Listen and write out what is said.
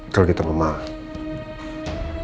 kalau kita memaham